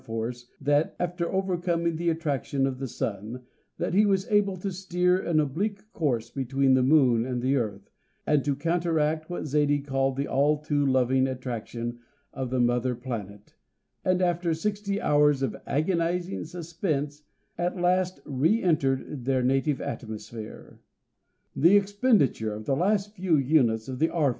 Force after overcoming the attraction of the Sun, that he was able to steer an oblique course between the Moon and the Earth, and to counteract what Zaidie called the all too loving attraction of the Mother Planet, and, after sixty hours of agonising suspense, at last re entered their native atmosphere. The expenditure of the last few units of the R.